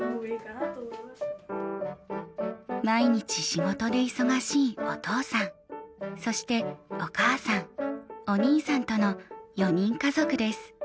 毎日仕事で忙しいお父さんそしてお母さんお兄さんとの４人家族です。